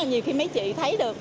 nhiều khi mấy chị thấy được